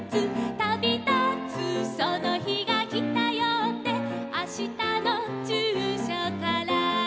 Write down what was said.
「“たびだつそのひがきたよ”って」「あしたのじゅうしょから」